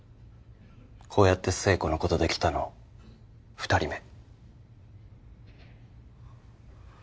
こうやってせい子のことで来たの２人目。